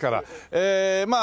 えまあ